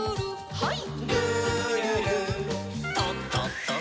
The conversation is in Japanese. はい。